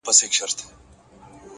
د زړورتیا اصل د وېرې درک دی.!